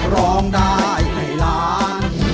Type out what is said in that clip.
ร้องได้ให้ล้าน